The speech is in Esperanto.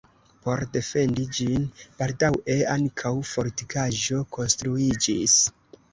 Por defendi ĝin, baldaŭe ankaŭ fortikaĵo konstruiĝis.